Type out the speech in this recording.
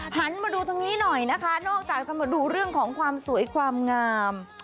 หันมาดูทางนี้หน่อยนะคะนอกจากจะมาดูเรื่องของความสวยความงาม